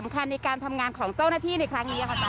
ครับ